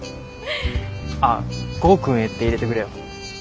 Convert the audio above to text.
あっ「剛くんへ」って入れてくれよ。